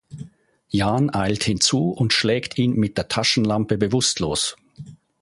Jan eilt hinzu und schlägt ihn mit der Taschenlampe bewusstlos.